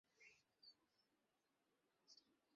তবে সামরিক আইন জারি থাকায় তখন আন্দোলন তেমন জোরদার হতে পারেনি।